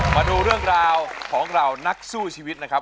มาดูเรื่องราวของเรานักสู้ชีวิตนะครับ